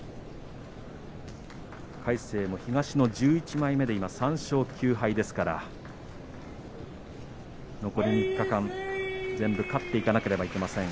魁聖も東の１１枚目で今３勝９敗ですから残り３日間、全部勝っていかなければいけません。